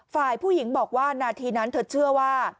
ฝ่ายผู้หญิงบอกว่านาทีนั้นเธอเชื่อว่า